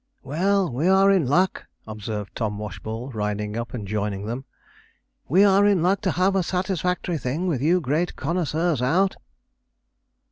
'Well, we are in luck,' observed Tom Washball, riding up and joining them; 'we are in luck to have a satisfactory thing with you great connoisseurs out.'